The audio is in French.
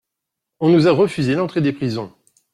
On nous a refusé l'entrée des prisons.